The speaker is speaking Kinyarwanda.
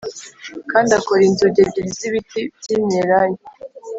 Kandi akora inzugi ebyiri z ibiti by imyelayo